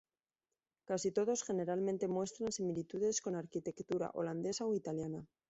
Casi todos generalmente muestran similitudes con arquitectura holandesa o italiana.